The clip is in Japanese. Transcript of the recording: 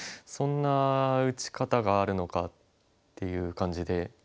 そんな打ち方があるのかっていう感じで。